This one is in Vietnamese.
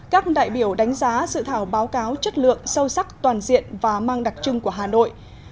các đại biểu đánh giá dự thảo báo cáo chất lượng sâu sắc toàn diện và mang đặc trưng của hà nội